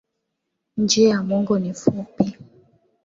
Njia ya mwongo ni fupi.